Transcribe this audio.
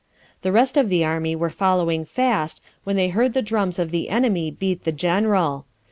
The rest of the army were following fast, when they heard the drums of the enemy beat the general.